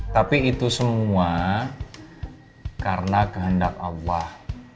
tapi itu semua karena kehendak allah